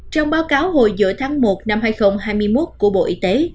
trong báo cáo hồi giữa tháng một năm hai nghìn hai mươi một của bộ y tế